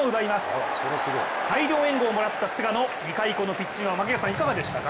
大量援護をもらった菅野２回以降のピッチングは槙原さんいかがでしたか？